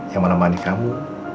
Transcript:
yang menemani kamu